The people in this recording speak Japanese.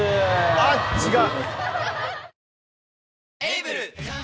あっ違う。